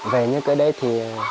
về những cái đấy thì